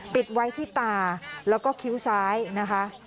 ติดไว้ที่ตาแล้วก็คิ้วซ้ายนะคะ